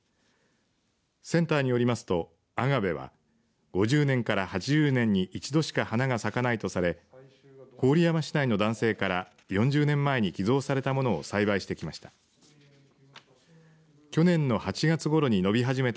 センターによりますとアガベは５０年から８０年に１度しか花が咲かないとされ郡山市内の男性から４０年前に寄贈されたものを栽培してきました。